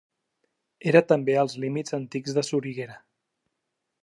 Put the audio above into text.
Era també als límit antics de Soriguera.